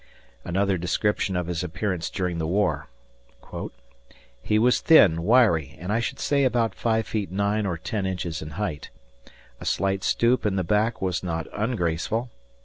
Another description of his appearance during the war: "He was thin, wiry, and I should say about five feet nine or ten inches in height. A slight stoop in the back was not ungraceful.